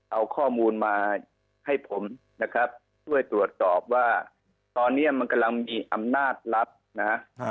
เอาข้อมูลมาให้ผมนะครับช่วยตรวจสอบว่าตอนนี้มันกำลังมีอำนาจลับนะฮะ